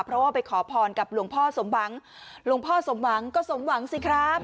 เพราะว่าไปขอพรกับหลวงพ่อสมหวังหลวงพ่อสมหวังก็สมหวังสิครับ